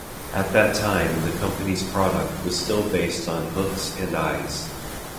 At that time the company's product was still based on hooks and eyes.